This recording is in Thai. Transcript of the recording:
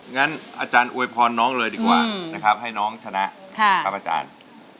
งั้นอาจารย์อวยพรน้องเลยดีกว่านะครับให้น้องชนะครับอาจารย์